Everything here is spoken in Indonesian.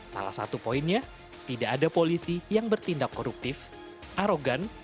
salah satu poinnya tidak ada polisi yang bertindak koruptif arogan